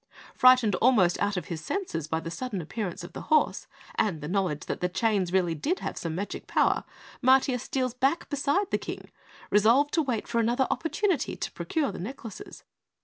Frightened almost out of his senses by the sudden appearance of the horse and the knowledge that the chains really did have some magic power, Matiah steals back beside the King, resolved to wait for another opportunity to procure the necklaces.